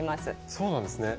そうなんですね。